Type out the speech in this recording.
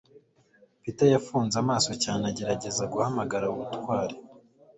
Peter yafunze amaso cyane agerageza guhamagara ubutwari.